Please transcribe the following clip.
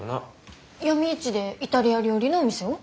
闇市でイタリア料理のお店を？